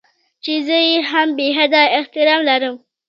چې زه يې هم بې حده احترام لرم.